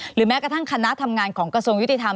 แม้กระทั่งคณะทำงานของกระทรวงยุติธรรม